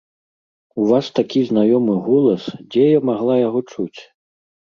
У вас такі знаёмы голас, дзе я магла яго чуць?